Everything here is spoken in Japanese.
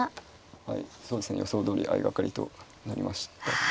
はいそうですね予想どおり相掛かりとなりましたね。